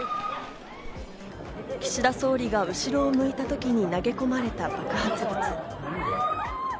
岸田総理が後ろを向いた時に投げ込まれた爆発物。